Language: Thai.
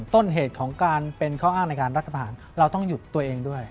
ต้นเหตุของการเป็นข้ออ้างในการรัฐประหารเราต้องหยุดตัวเองด้วย